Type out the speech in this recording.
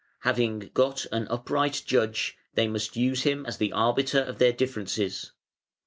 Having got an upright judge, they must use him as the arbiter of their differences.